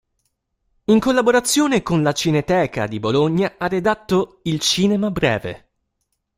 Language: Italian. In collaborazione con la Cineteca di Bologna ha redatto "Il cinema breve.